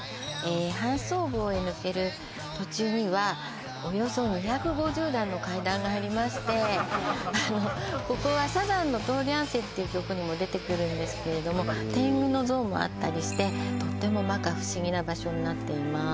半僧坊へ抜ける途中にはおよそ２５０段の階段がありましてここはサザンの「通りゃんせ」っていう曲にも出てくるんですけれど天狗のゾーンもあったりしてとっても摩訶不思議な場所になっています